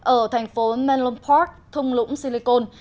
ở thành phố menlo park thung lũng silicon